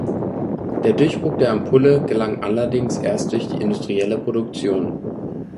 Der Durchbruch der Ampulle gelang allerdings erst durch die industrielle Produktion.